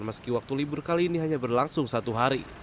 meski waktu libur kali ini hanya berlangsung satu hari